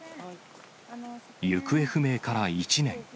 行方不明から１年。